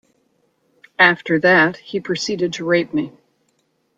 After that, he proceeded to rape me.